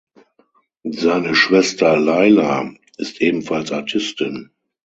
Seine Schwester Leila ist ebenfalls Artistin.